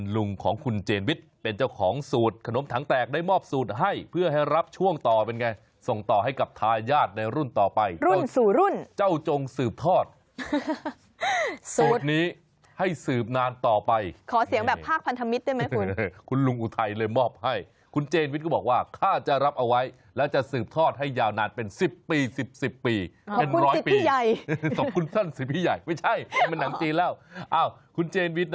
ลุงของคุณเจนวิทย์เป็นเจ้าของสูตรขนมถังแตกได้มอบสูตรให้เพื่อให้รับช่วงต่อเป็นไงส่งต่อให้กับทายาทในรุ่นต่อไปรุ่นสู่รุ่นเจ้าจงสืบทอดสูตรนี้ให้สืบนานต่อไปขอเสียงแบบภาคพันธมิตรได้ไหมคุณลุงอุทัยเลยมอบให้คุณเจนวิทย์ก็บอกว่าถ้าจะรับเอาไว้แล้วจะสืบทอดให้ยาวนานเป็น๑๐ปี๑๐๑๐ปีเป็นร้อยปีขอบคุณท่าน